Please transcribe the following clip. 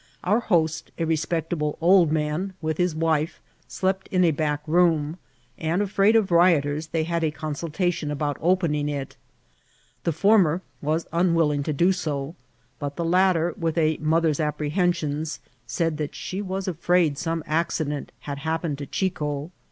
Our host, a respectable old man, with his wife, slept in a back room, and, afraid of rioters, they had a consul* tation about opening it. ^^e fmrmer was unwilling to do so, but the latter, with a mother's apprehensionS| said that she was afraid some accid^it had happened to Chico.